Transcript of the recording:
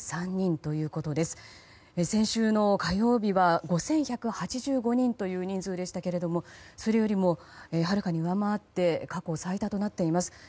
先週の火曜日は５１８５人という人数でしたけどもそれよりもはるかに上回って過去最多となっています。